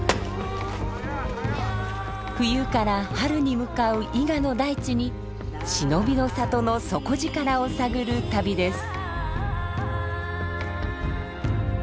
冬から春に向かう伊賀の大地に忍びの里の底力を探る旅です。